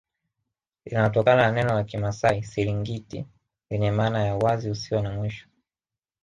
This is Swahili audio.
Linalotokana na neno la kimasai Siringiti lenye maana ya uwazi usio na mwisho